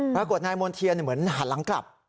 ปรากฏนายมณ์เทียนเหมือนหันหลังกลับ